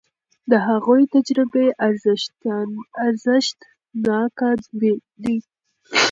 د هغوی تجربې ارزښتناکه دي.